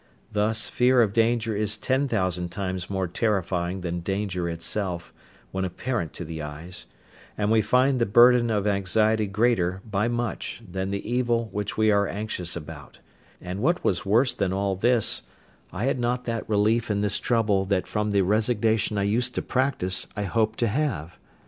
Thus, fear of danger is ten thousand times more terrifying than danger itself, when apparent to the eyes; and we find the burden of anxiety greater, by much, than the evil which we are anxious about: and what was worse than all this, I had not that relief in this trouble that from the resignation I used to practise I hoped to have.